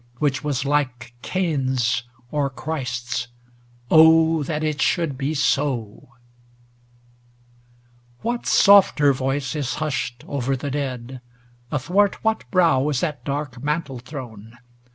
Which was like Cain's or Christ's ŌĆö oh ! that it should be so ! XXXV What softer voice is hushed over tht dead? Athwart what brow is that dark mantle thrown